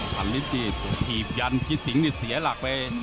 พันลิตรดีผีพยันพี่สิงนี่เสียหลักไป